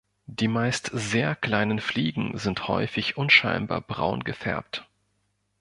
Die meist sehr kleinen Fliegen sind häufig unscheinbar braun gefärbt.